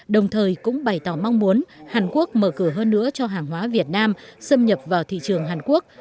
đồng thời cũng bày tỏ mong muốn hàn quốc mở cửa hơn nữa cho hàng hóa việt nam xâm nhập vào thị trường hàn quốc